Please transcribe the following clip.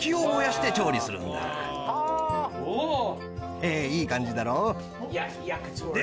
ヘヘいい感じだろ？